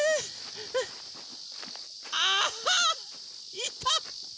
いた！